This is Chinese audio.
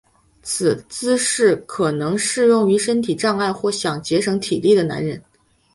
此姿势可能适用于身体障碍或想节省体力的男人。